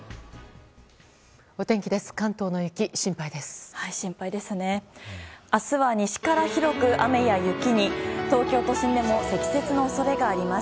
お天気です。